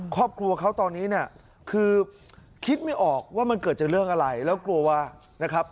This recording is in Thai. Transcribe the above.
ครอบครัวเขาตอนนี้เนี่ยคือคิดไม่ออกว่ามันเกิดจากเรื่องอะไรแล้วกลัวนะครับ